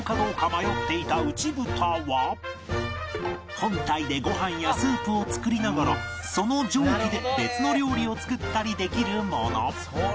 本体でご飯やスープを作りながらその蒸気で別の料理を作ったりできるもの